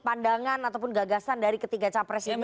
pandangan ataupun gagasan dari ketiga capres ini seperti apa